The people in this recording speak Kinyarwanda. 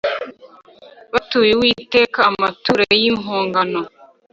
batuye Uwiteka amaturo y’impongano